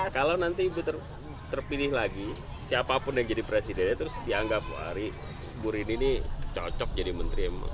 kalau nanti ibu terpilih lagi siapapun yang jadi presidennya terus dianggap wari bu rini ini cocok jadi menteri